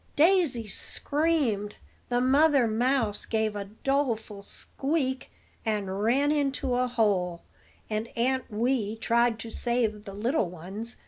Daisy screamed; the mother mouse gave a doleful squeak, and ran into a hole; and Aunt Wee tried to save the little ones.